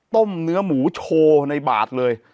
ต้มเนื้อหมูโชว์ในบาทเลย